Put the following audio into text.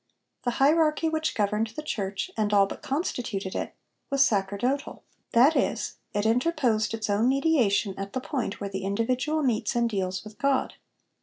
The hierarchy which governed the Church, and all but constituted it, was sacerdotal; that is, it interposed its own mediation at the point where the individual meets and deals with God.